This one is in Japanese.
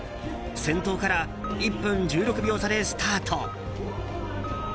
先頭から１分１６秒差でスタート。